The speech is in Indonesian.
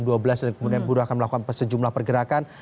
dan kemudian buruh akan melakukan sejumlah pergerakan